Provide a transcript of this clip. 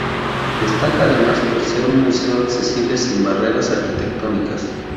Destaca además por ser un museo accesible, sin barreras arquitectónicas.